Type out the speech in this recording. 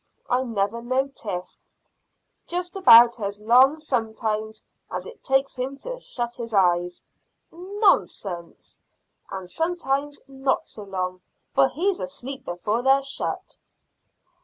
I never noticed." "Just about as long sometimes as it takes him to shut his eyes." "Nonsense!" "And sometimes not so long, for he's asleep before they're shut."